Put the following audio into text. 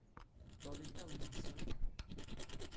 Dans l’état où nous sommes.